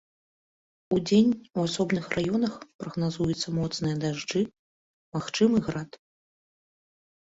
Удзень у асобных раёнах прагназуюцца моцныя дажджы, магчымы град.